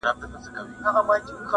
کم اصل ګل که بویوم ډک دي باغونه-